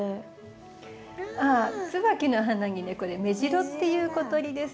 ツバキの花にねこれメジロっていう小鳥です。